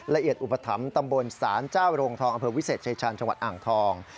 อุปถัมภ์ตำบลศาลเจ้าโรงทองอำเภอวิเศษชายชาญจังหวัดอ่างทอง